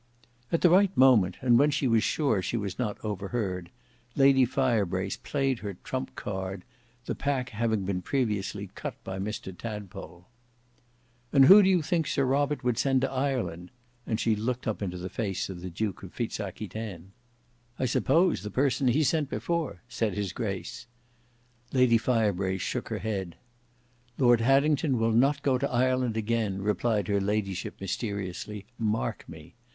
At the right moment, and when she was sure she was not overheard, Lady Firebrace played her trump card, the pack having been previously cut by Mr Tadpole. "And who do you think Sir Robert would send to Ireland?" and she looked up in the face of the Duke of Fitz Aquitaine. "I suppose the person he sent before," said his grace. Lady Firebrace shook her head. "Lord Haddington will not go to Ireland again," replied her ladyship, mysteriously; "mark me.